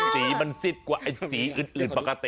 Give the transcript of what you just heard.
สีมันสิดกว่าไอสีอึดประกัติ